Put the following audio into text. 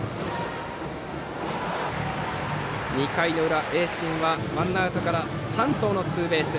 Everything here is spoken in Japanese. ２回の裏、盈進はワンアウトから山藤のツーベース。